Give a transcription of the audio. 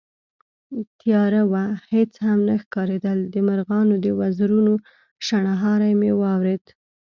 تياره وه، هېڅ هم نه ښکارېدل، د مرغانو د وزرونو شڼهاری مې واورېد